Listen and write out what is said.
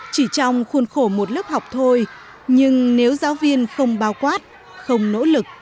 chỉ trong khuôn khổ một lớp học thôi nhưng nếu giáo viên không bao quát không nỗ lực